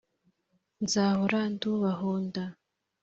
nzahora ndubahunda